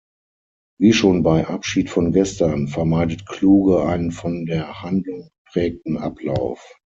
Wie schon bei "Abschied von gestern" vermeidet Kluge einen von der Handlung geprägten Ablauf.